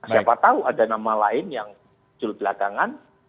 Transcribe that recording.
siapa tahu ada nama lain yang muncul belakangan